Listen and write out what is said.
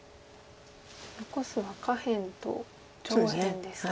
残すは下辺と上辺ですか。